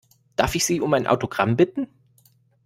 Darf ich Sie um ein Autogramm bitten?